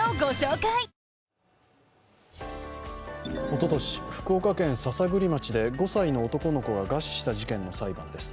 おととし、福岡県篠栗町で５歳の男の子が餓死した事件の裁判です。